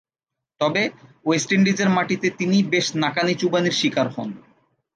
তবে, ওয়েস্ট ইন্ডিজের মাটিতে তিনি বেশ নাকানি-চুবানির শিকার হন।